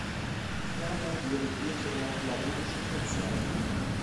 Ferner dirigierte er Philharmonische Konzerte.